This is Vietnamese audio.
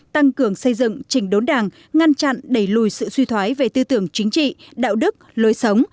tăng cường xây dựng chỉnh đốn đảng ngăn chặn đẩy lùi sự suy thoái về tư tưởng chính trị đạo đức lối sống